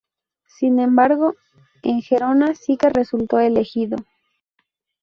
Sin embargo, en Gerona sí que resultó elegido.